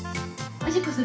おしっこする。